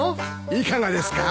いかがですか？